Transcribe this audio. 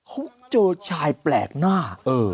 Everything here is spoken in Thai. เขาเจอชายแปลกหน้า